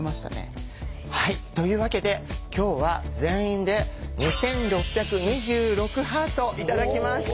はいというわけで今日は全員で２，６２６ハート頂きました！